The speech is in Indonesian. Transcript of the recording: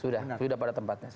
sudah sudah pada tempatnya